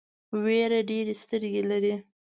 وېره ډېرې سترګې لري.